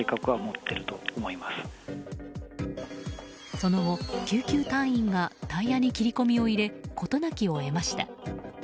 その後、救急隊員がタイヤに切り込みを入れ事なきを得ました。